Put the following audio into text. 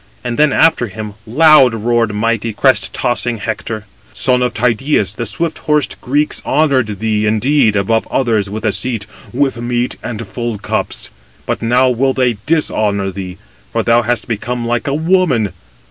And then after him loud roared mighty crest tossing Hector: "Son of Tydeus, the swift horsed Greeks honoured thee, indeed, above [others] with a seat, with meat, and full cups; but now will they dishonour thee; for thou hast become like a woman.